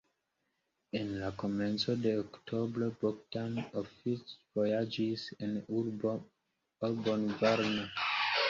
En la komenco de oktobro Bogdan oficvojaĝis en urbon Varna.